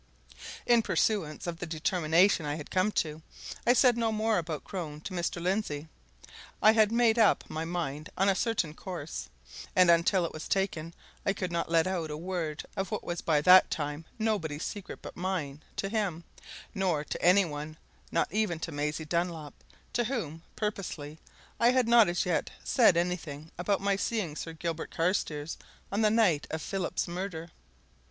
In pursuance of the determination I had come to, I said no more about Crone to Mr. Lindsey. I had made up my mind on a certain course, and until it was taken I could not let out a word of what was by that time nobody's secret but mine to him, nor to any one not even to Maisie Dunlop, to whom, purposely, I had not as yet said anything about my seeing Sir Gilbert Carstairs on the night of Phillips's murder.